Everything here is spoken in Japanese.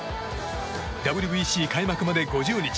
ＷＢＣ開幕まで５０日。